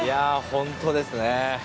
本当ですね。